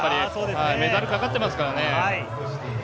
メダルかかっていますからね。